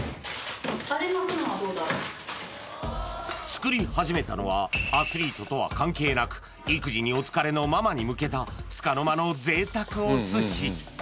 作り始めたのはアスリートとは関係なく育児にお疲れのママに向けたつかの間の贅沢お寿司！